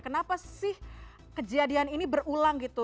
kenapa sih kejadian ini berulang gitu